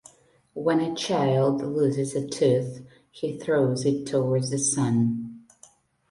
When a child loses a tooth, he throws it towards the sun.